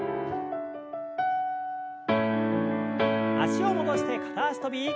脚を戻して片脚跳び。